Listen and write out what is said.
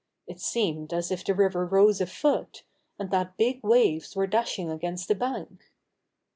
It seemed as if the river rose a foot, and that big waves were dashing against the bank.